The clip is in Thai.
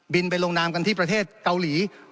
ไปลงนามกันที่ประเทศเกาหลี